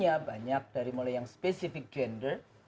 ya banyak dari mulai yang spesifik gender